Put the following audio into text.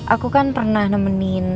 aku kan pernah nemenin